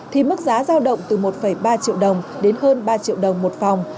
thì mức giá giao động từ một ba triệu đồng đến hơn ba triệu đồng một phòng